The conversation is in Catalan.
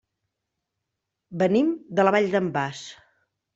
Venim de la Vall d'en Bas.